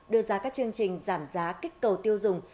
đưa ra các chương trình giảm giá kích cầu tiêu dùng